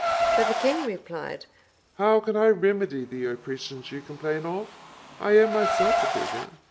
But the king replied, "How can I remedy the oppressions you complain of? I am myself a beggar.